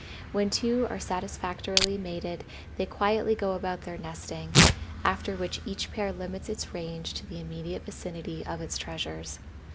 When two are satisfactorily mated they quietly go about their nesting, after which each pair limits its range to the immediate vicinity of its treasures.